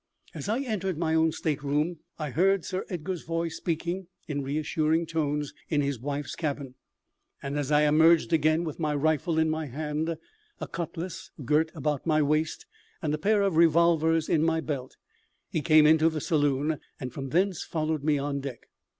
As I entered my own state room I heard Sir Edgar's voice speaking in reassuring tones in his wife's cabin, and as I emerged again with my rifle in my hand, a cutlass girt about my waist, and a pair of revolvers in my belt, he came into the saloon and from thence followed me on deck.